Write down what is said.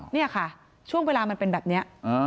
นี่ค่ะช่วงเวลามันเป็นแบบนี้